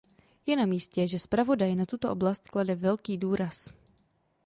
Je namístě, že zpravodaj na tuto oblast klade velký důraz.